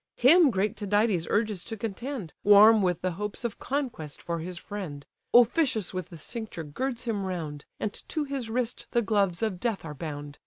Him great Tydides urges to contend, Warm with the hopes of conquest for his friend; Officious with the cincture girds him round; And to his wrist the gloves of death are bound.